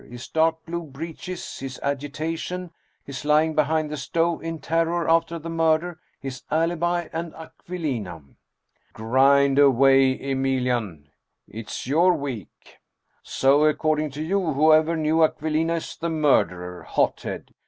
His dark blue breeches, his agitation, his lying behind the stove in terror after the murder, his alibi and Aquilina ""' Grind away, Emilian ; it's your week !' So, according to you, whoever knew Aquilina is the murderer! Hot head